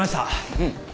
うん。